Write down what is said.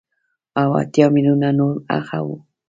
او اتيا ميليونه نور هغه وو.